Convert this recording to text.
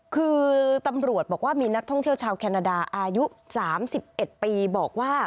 คือตำรวจบอกว่ามีนักท่องเที่ยวชาวแคนาดาอายุ๓๑ปีบอกว่า